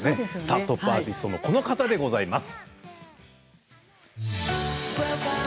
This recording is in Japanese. トップアーティストのこの方でございます。